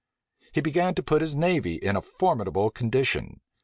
He began to put his navy in a formidable condition.